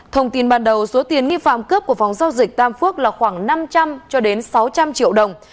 thông tin ban đầu số tiền nghi phạm cướp của phòng giao dịch tam phước là khoảng năm trăm linh cho đến sáu trăm linh triệu đồng